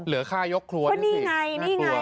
เหลือฆ่ายกครัวนี่ไง